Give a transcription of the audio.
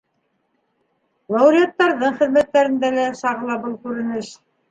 Лауреаттарҙың хеҙмәттәрендә лә сағыла был күренеш.